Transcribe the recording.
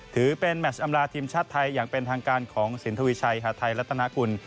ถือเป็นแมชอำลาทีมชาติไทยอย่างเป็นทางการของสินทวีชัยหาดไทยรัฐนากุล